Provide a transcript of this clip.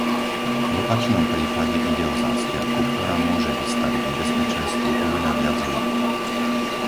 V opačnom prípade ide o zásterku, ktorá môže vystaviť nebezpečenstvu oveľa viac ľudí.